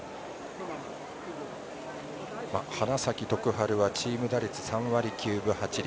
花咲徳栄はチーム打率は３割９分８厘